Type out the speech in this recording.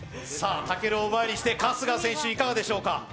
武尊を前にして春日選手いかがでしょうか？